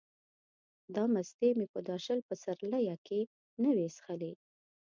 دا مستې مې په دا شل پسرلیه کې نه وې څښلې.